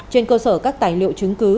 trên cơ sở các tài liệu chứng cứ